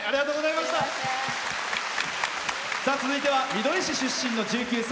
続いてはみどり市出身の１９歳。